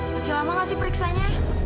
masih lama nggak sih periksanya